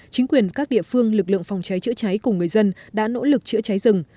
chính quyền các địa phương lực lượng phòng cháy chữa cháy cùng người dân đã nỗ lực chữa cháy rừng